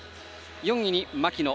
４位に牧野。